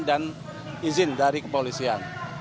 dan izin dari kepolisian